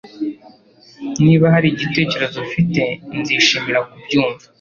Niba hari igitekerezo ufite nzishimira kubyumva